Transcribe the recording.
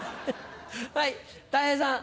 はいたい平さん。